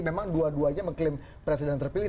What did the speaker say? memang dua duanya mengklaim presiden terpilih